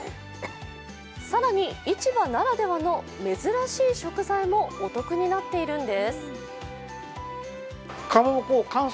更に市場ならではの珍しい食材もお得になっているんです。